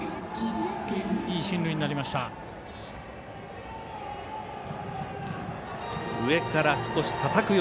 いい進塁になりました。